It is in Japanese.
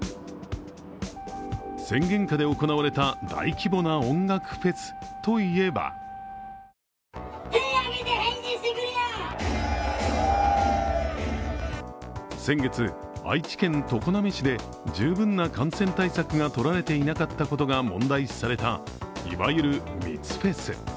宣言下で行われた大規模な音楽フェスとはいえば先月、愛知県常滑市で十分な感染対策が取られていなかったことが問題視された、いわゆる密フェス。